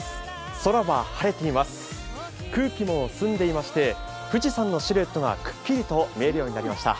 空気も澄んでいまして富士山のシルエットがくっきりと見えるようになりました。